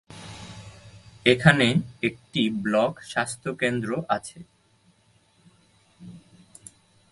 এখানে একটি ব্লক স্বাস্থ্যকেন্দ্র আছে।